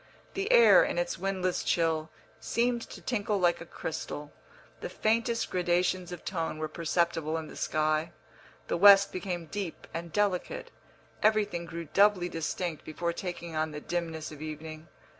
The air, in its windless chill, seemed to tinkle like a crystal, the faintest gradations of tone were perceptible in the sky, the west became deep and delicate, everything grew doubly distinct before taking on the dimness of evening.